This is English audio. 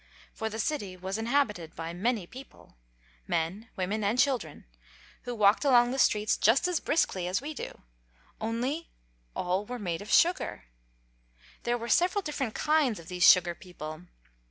For the city was inhabited by many people men, women and children who walked along the streets just as briskly as we do; only all were made of sugar. There were several different kinds of these sugar people.